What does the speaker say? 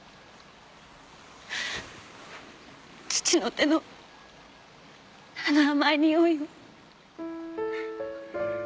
父の手のあの甘いにおいを。